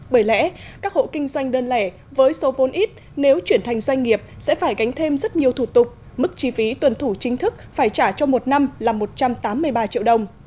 bởi lẽ các hộ kinh doanh đơn lẻ với số vốn ít nếu chuyển thành doanh nghiệp sẽ phải gánh thêm rất nhiều thủ tục mức chi phí tuân thủ chính thức phải trả cho một năm là một trăm tám mươi ba triệu đồng